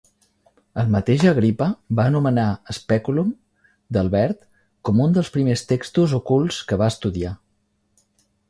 El mateix Agrippa va anomenar "Speculum" d'Albert com un dels primers textos ocults que va estudiar.